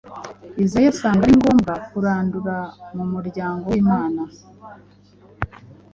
Izayi asanga ari ngombwa kurandura mu muryango w‟Imana